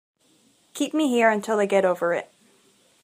Keep me here until I get over it.